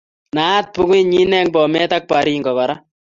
Naat bukuinyi eng Bomet ak Baringo kora